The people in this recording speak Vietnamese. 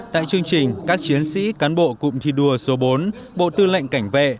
tại chương trình các chiến sĩ cán bộ cụm thi đua số bốn bộ tư lệnh cảnh vệ